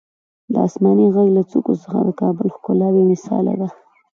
د اسمایي غر له څوکو څخه د کابل ښکلا بېمثاله ده.